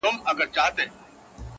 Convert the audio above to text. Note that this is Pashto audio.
افسانې د برېتورو، ږيرورو،